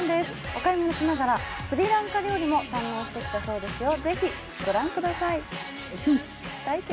お買い物しながらスリランカ料理も堪能してきたそうですよ。